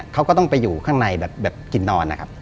เขาก็ต้องไปอยู่ข้างในแบบกินนอนนะครับ